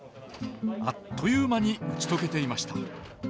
あっという間に打ち解けていました。